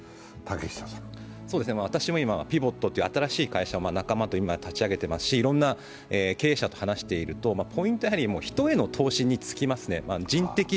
私もＰＩＶＯＴという新しい会社を仲間と今、立ち上げていますし、いろんな経営者と話していると、ポイントは人への投資につきますね。